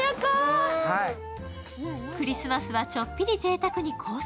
クリスマスはちょっぴりぜいたくにコース